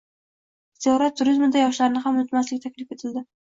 Ziyorat turizmida yoshlarni ham unutmaslik taklif etildi